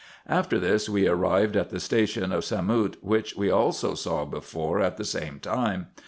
After this, we arrived at the station of Samout, which we also saw before at the same time.